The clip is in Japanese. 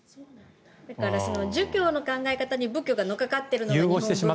だから、儒教の考え方に仏教が乗っかかっているので。